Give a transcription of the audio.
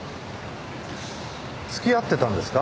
付き合ってたんですか？